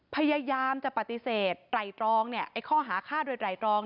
พยายามจะปฏิเสธไตรตรองข้อหาฆ่าโดยไตรตรอง